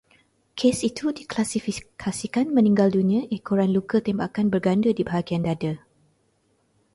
Kes itu diklasifikasikan meninggal dunia ekoran luka tembakan berganda di bahagian dada